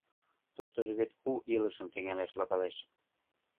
Туштыжо вет у илышым тӱҥалаш логалеш.